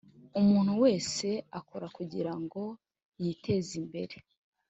umuntu wese akora kugirango yitezimbere.